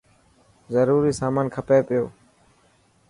ضروري سامان کپي پيو.